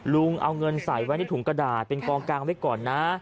ลุงเอาเงินใส่ไว้ในถุงกระดาษเป็นกองกลางไว้ก่อนนะ